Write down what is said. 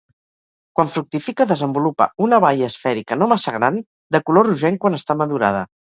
Quan fructifica desenvolupa una baia esfèrica no massa gran, de color rogenc quan està madurada.